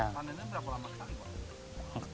panennya berapa lama